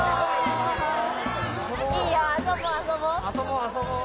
いいよあそぼうあそぼう！